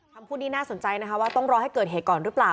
คำพูดนี้น่าสนใจนะคะว่าต้องรอให้เกิดเหตุก่อนหรือเปล่า